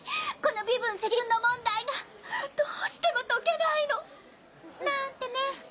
この微分積分の問題がどうしても解けないのなんてね。